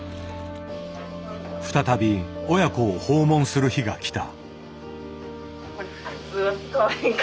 再び親子を訪問する日が来た。